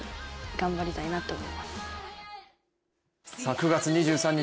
９月２３日